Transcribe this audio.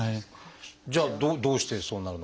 じゃあどうしてそうなるのか。